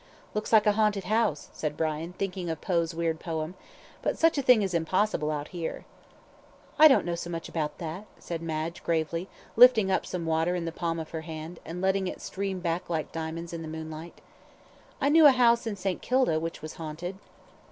"Looks like a haunted house," said Brian, thinking of Poe's weird poem; "but such a thing is impossible out here." "I don't know so much about that," said Madge, gravely, lifting up some water in the palm of her hand, and letting it stream back like diamonds in the moonlight. "I knew a house in St. Kilda which was haunted."